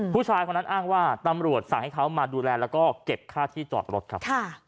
ผู้ชายคนนั้นอ้างว่าตำรวจสั่งให้เขามาดูแลแล้วก็เก็บค่าที่จอดรถครับ